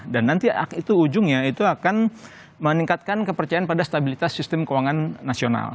dan nanti itu ujungnya akan meningkatkan kepercayaan pada stabilitas sistem keuangan nasional